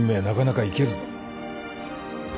なかなかいけるぞ